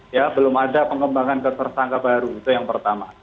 ya belum ada pengembangan ketersangka baru itu yang pertama